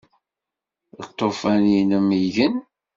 Lṭufan-inem igen?